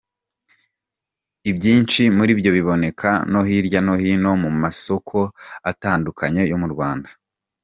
Ibyinshi muri byo biboneka no hirya no hino mu masoko atandukanye yo mu Rwanda.